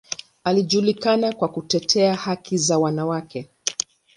Anajulikana kwa kutetea haki za wanawake.